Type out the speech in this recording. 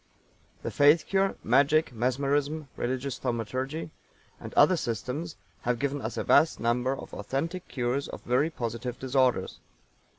The Faith Cure, Magic, Mesmerism, Religious Thaumaturgy and other systems have given us a vast number of authentic cures of very positive disorders.